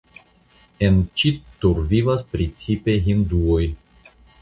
En Ĉittur vivas precipe hinduoj.